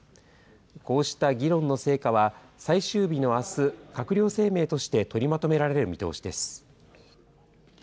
こうした議論の成果は最終日のあす、閣僚声明として取りまとめられる見通しです。